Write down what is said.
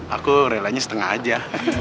aku relanya setengah aja